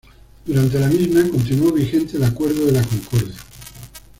Durante la misma, continuó vigente el Acuerdo de la Concordia.